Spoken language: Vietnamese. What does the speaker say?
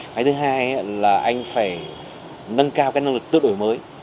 ngày thứ hai là anh phải nâng cao cái năng lực tựa đổi mới